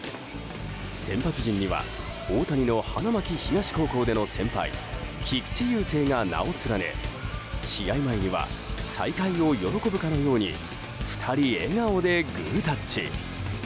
先発陣には大谷の花巻東高校での先輩・菊池雄星が名を連ね試合前には再会を喜ぶかのように２人笑顔でグータッチ。